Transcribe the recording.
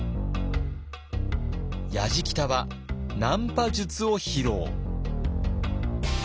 やじきたはナンパ術を披露。